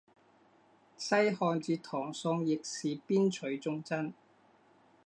西汉至唐宋亦是边睡重镇。